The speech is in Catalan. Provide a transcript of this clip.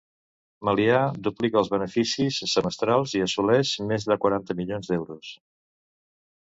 Meliá duplica el benefici semestral i assoleix més de quaranta milions d'euros.